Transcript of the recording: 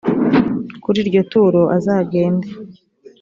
kuri iryo turo azagende